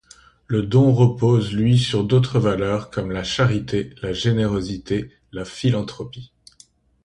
Le don repose lui sur d'autres valeurs comme la charité, la générosité, la philanthropie.